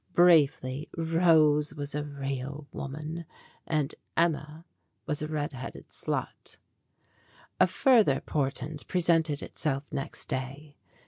Briefly, Rose was a real woman, and Emma was a red headed slut. A further portent presented itself next day.